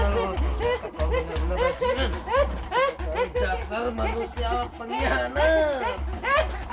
dari dasar manusia pengkhianat